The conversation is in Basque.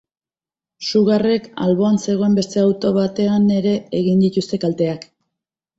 Sugarrek alboan zegoen beste auto batean ere egin dituzte kalteak.